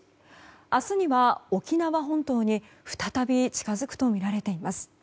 明日には沖縄本島に再び近づくとみられています。